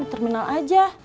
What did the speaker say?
di terminal aja